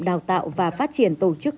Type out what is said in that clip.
đào tạo và phát triển tổ chức